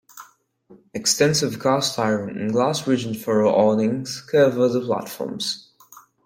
Extensive cast-iron and glass ridge-and-furrow awnings covered the platforms.